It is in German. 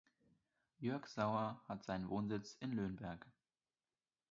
Jörg Sauer hat seinen Wohnsitz in Löhnberg.